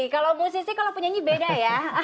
kalau musisi kalau penyanyi beda ya